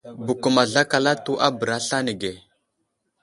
Bəkəm azlakal atu a bəra aslane ge.